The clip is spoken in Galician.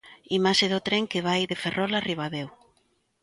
Imaxe do tren que vai de Ferrol a Ribadeo.